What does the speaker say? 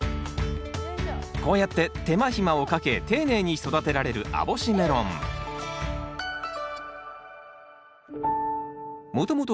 こうやって手間暇をかけ丁寧に育てられる網干メロンもともと